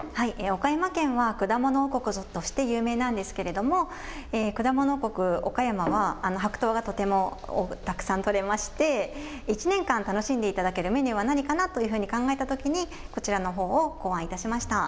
岡山県は、果物王国として有名なんですけれども、果物王国岡山は、白桃がとてもたくさん取れまして、１年間楽しんでいただけるメニューは何かなというふうに考えたときに、こちらのほうを考案いたしました。